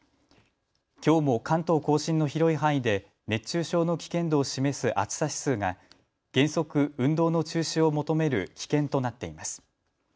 きょうも関東甲信の広い範囲で熱中症の危険度を示す暑さ指数が原則運動の中止を求める危険となっています。